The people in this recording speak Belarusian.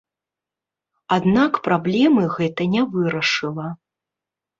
Аднак праблемы гэта не вырашыла.